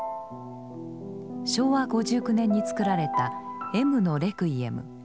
昭和５９年に作られた「Ｍのレクイエム」。